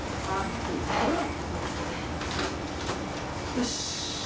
よし。